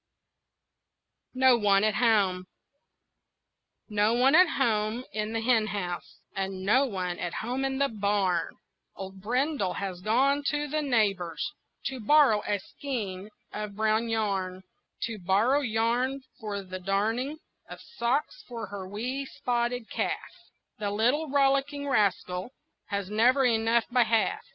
NO ONE AT HOME No one at home in the hen house, And no one at home in the barn, Old Brindle has gone to the neighbor's To borrow a skein of brown yarn, To borrow yarn for the darning Of socks for her wee spotted calf The little rollicking rascal Has never enough by half.